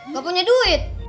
gak punya duit